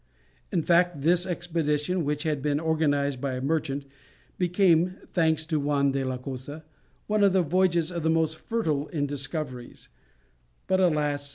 In fact this expedition, which had been organized by a merchant, became, thanks to Juan de la Cosa, one of the voyages the most fertile in discoveries; but alas!